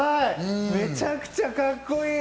めちゃくちゃカッコいい！